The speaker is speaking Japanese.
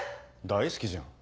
大好きじゃん。